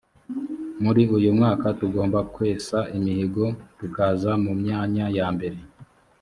muri uyu mwaka tugomba kwesa imihigo tukaza mu myanya ya mbere